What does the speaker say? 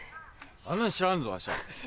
あんなん知らんぞワシは。